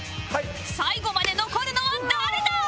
最後まで残るのは誰だ？